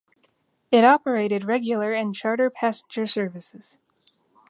It operated regular and charter passenger services.